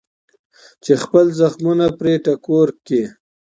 چې خپل زخمونه پرې ټکور کړي.